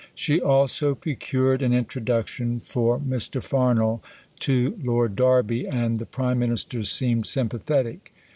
She also procured an introduction for Mr. Farnall to Lord Derby, and the Prime Minister seemed sympathetic.